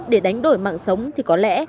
để đánh đổi mạng sống thì có lẽ